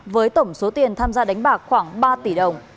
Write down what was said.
với tổng số tiền tham gia đánh bạc khoảng ba tỷ đồng